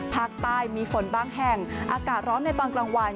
ภาคใต้มีฝนบางแห่งอากาศร้อนในตอนกลางวัน